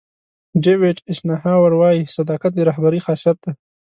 ډیوېټ ایسنهاور وایي صداقت د رهبرۍ خاصیت دی.